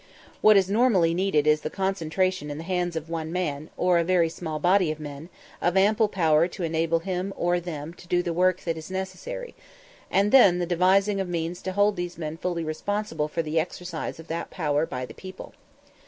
What is normally needed is the concentration in the hands of one man, or of a very small body of men, of ample power to enable him or them to do the work that is necessary; and then the devising of means to hold these men fully responsible for the exercise of that power by the people.